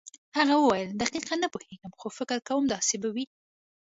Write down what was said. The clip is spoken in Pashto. هغه وویل دقیقاً نه پوهېږم خو فکر کوم داسې به وي.